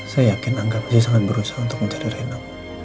saya yakin angga pasti sangat berusaha untuk mencari rena